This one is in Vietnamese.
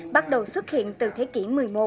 bắt đầu xuất hiện từ thế kỷ một mươi một